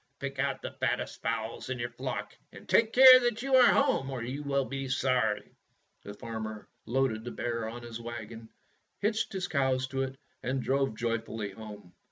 Pick out the fattest fowls in your flock, and take care that you are at home, or you will be sorry!" The farmer loaded the bear on his wagon, hitched his cows to it, and drove joyfully home.